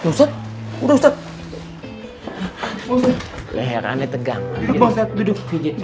ustadz ustadz leher aneh tegang duduk duduk